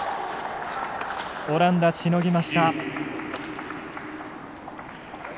オランダ、しのぎました。